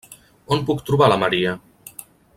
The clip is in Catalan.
On puc trobar la Maria?